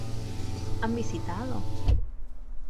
¿Han visitado?